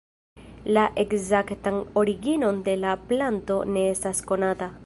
La ekzaktan originon de la planto ne estas konata.